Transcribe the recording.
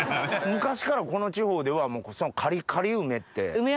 昔からこの地方ではカリカリ梅って。